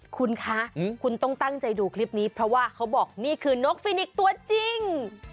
คุณคะคุณต้องตั้งใจดูคลิปนี้เพราะว่าเขาบอกนี่คือนกฟินิกตัวจริง